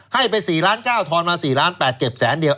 ให้ไป๔ล้าน๙ทอนมา๔ล้าน๘เก็บแสนเดียว